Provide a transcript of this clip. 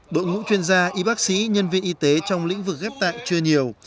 đội ngũ chuyên gia y bác sĩ nhân viên y tế trong lĩnh vực ghép tạng chưa nhiều